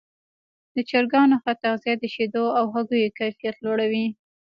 د چرګانو ښه تغذیه د شیدو او هګیو کیفیت لوړوي.